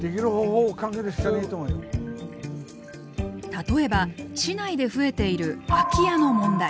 例えば市内で増えている空き家の問題。